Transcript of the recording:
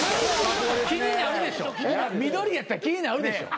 緑やったら気になるでしょ。